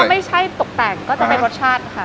ไม่ใช่ตกแต่งก็จะเป็นรสชาติค่ะ